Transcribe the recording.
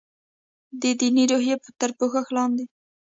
د دیني روحیې تر پوښښ لاندې.